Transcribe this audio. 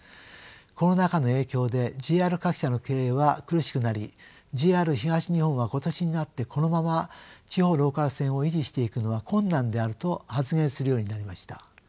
コロナ禍の影響でＪＲ各社の経営は苦しくなりＪＲ東日本は今年になってこのまま地方ローカル線を維持していくのは困難であると発言するようになりました。